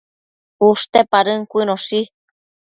ushte padën cuënoshi